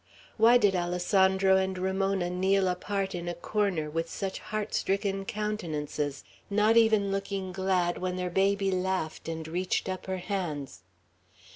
Why did Alessandro and Ramona kneel apart in a corner, with such heart stricken countenances, not even looking glad when their baby laughed, and reached up her hands?